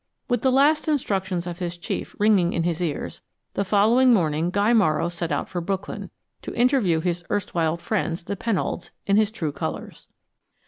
With the last instructions of his chief ringing in his ears, the following morning Guy Morrow set out for Brooklyn, to interview his erstwhile friends, the Pennolds, in his true colors.